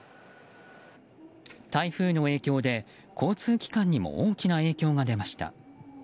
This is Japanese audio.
台風の影響で、交通機関にも大きな影響が出ました。